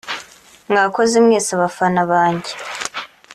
“Mwakoze mwese abafana banjye